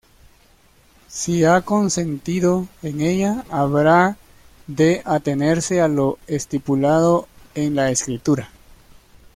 Si ha consentido en ella, habrá de atenerse a lo estipulado en la escritura.